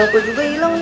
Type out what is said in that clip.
nggak ada juga hilang ya